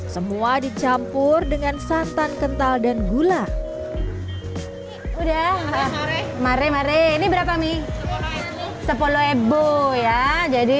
semua dicampur dengan santan kental dan gula udah mare mare ini berapa mie sepuluh ebo ya jadi